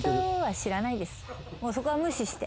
そこは無視して。